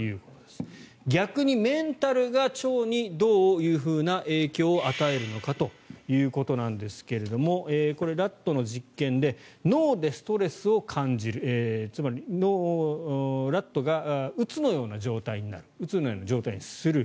逆にメンタルが腸にどういうふうな影響を与えるのかということですがこれ、ラットの実験で脳でストレスを感じるつまり、ラットがうつのような状態になるうつのような状態にする。